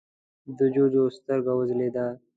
د جُوجُو سترګه وځلېده: